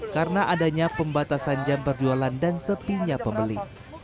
karena adanya pembatasan jam perjualan dan sepinya pembeli